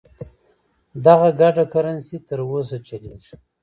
دغه ګډه کرنسي تر اوسه چلیږي.